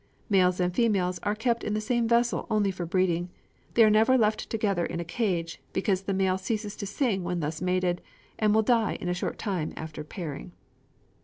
Males and females are kept in the same vessel only for breeding: they are never left together in a cage, because the male ceases to sing when thus mated, and will die in a short time after pairing.